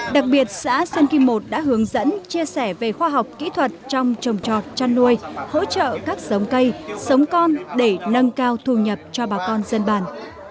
đặc biệt xã sơn kim một đã hướng dẫn chia sẻ về khoa học kỹ thuật trong trồng trọt chăn nuôi hỗ trợ các sống cây sống con để nâng cao thu nhập cho bà con dân bản